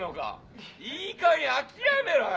いいかげん諦めろよ。